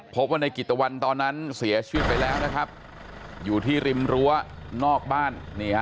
พบว่าในกิจตะวันตอนนั้นเสียชีวิตไปแล้วนะครับอยู่ที่ริมรั้วนอกบ้าน